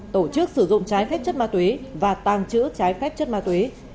tổ chức sử dụng trái phép chất ma túy và tàng trữ trái phép chất ma túy